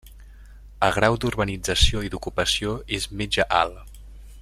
El grau d'urbanització i d'ocupació és mitjà-alt.